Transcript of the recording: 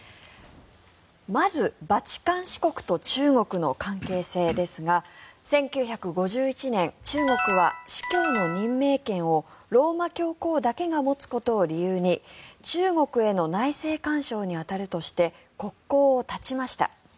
まず、バチカン市国と中国の関係性ですが１９５１年中国は司教の任命権をローマ教皇だけが持つことを理由に中国への内政干渉に当たるとして国交を断ちました。